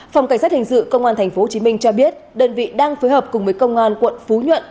phòng cảnh sát hình sự công an tp hcm cho biết đơn vị đang phối hợp cùng với công an quận phú nhuận